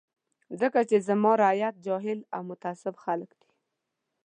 ځکه چې زما رعیت جاهل او متعصب خلک دي.